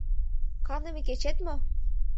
Каныме кечет мо?